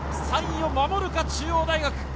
３位を守るか中央大学。